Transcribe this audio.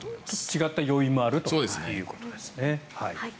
違った要因もあるということですね。